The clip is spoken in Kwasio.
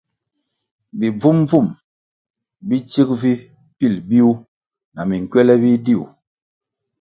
Bi bvum-bvum bi tsig vi pil biwuh na minkywele biduih.